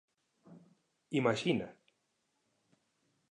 Imaxina!